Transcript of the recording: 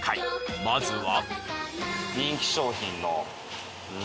まずは。